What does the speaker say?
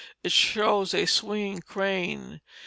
It shows a swinging crane.